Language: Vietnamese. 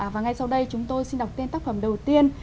và ngay sau đây chúng tôi xin đọc tên tác phẩm đầu tiên